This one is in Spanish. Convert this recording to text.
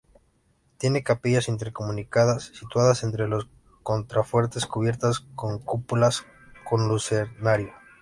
Tiene capillas intercomunicadas situadas entre los contrafuertes, cubiertas con cúpulas con lucernario.